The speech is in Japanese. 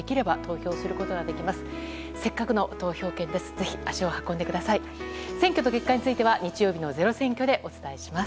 選挙の結果については日曜日の「ｚｅｒｏ選挙」でお伝えします。